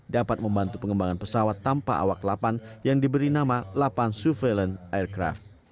dapat membantu pengembangan pesawat tanpa awak lapan yang diberi nama lapan surveillance aircraft